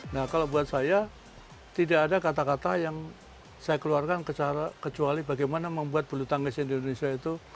nah kalau buat saya tidak ada kata kata yang saya keluarkan kecuali bagaimana membuat bulu tangkis indonesia itu